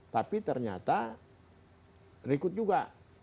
tapi ternyata berikut juga